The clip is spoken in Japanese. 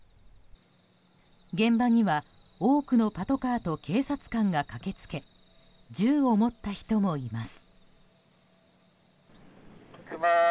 現場には多くのパトカーと警察官が駆け付け銃を持った人もいます。